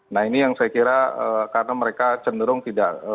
nah ini yang saya kira karena mereka cenderung tidak